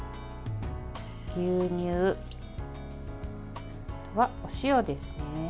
牛乳、お塩ですね。